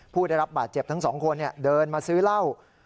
ผู้ได้รับบาดเจ็บทั้งสองคนเดินมาซื้อเหล้า